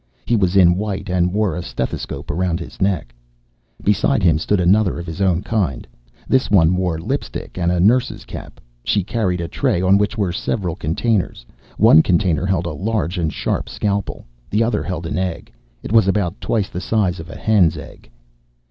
He was in white and wore a stethoscope around his neck. Beside him stood another of his own kind. This one wore lipstick and a nurse's cap. She carried a tray on which were several containers. One container held a large and sharp scalpel. The other held an egg. It was about twice the size of a hen's egg.